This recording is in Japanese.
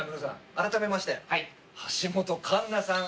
あらためまして橋本環奈さん